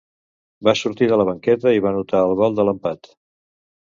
Va sortir de la banqueta i va anotar el gol de l’empat.